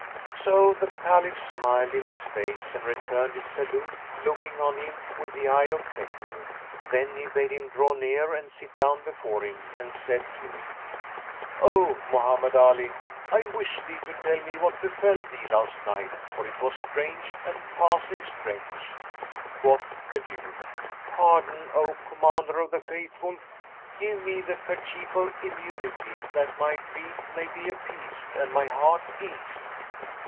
So the Caliph smiled in his face and returned his salute, looking on him with the eye of favour; then he bade him draw near and sit down before him and said to him, "O Mohammed Ali, I wish thee to tell me what befel thee last night, for it was strange and passing strange." Quoth the youth, "Pardon, O Commander of the Faithful, give me the kerchief of immunity, that my dread may be appeased and my heart eased."